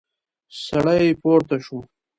سړی پورته شو.